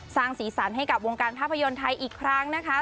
สร้างสีสันให้กับวงการภาพยนตร์ไทยอีกครั้งนะคะ